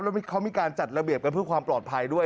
แล้วเขามีการจัดระเบียบกันเพื่อความปลอดภัยด้วย